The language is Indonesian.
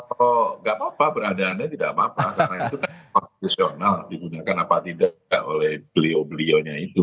kalau nggak apa apa beranda anda tidak apa apa karena itu kan konstitusional digunakan apa tidak oleh beliau beliaunya itu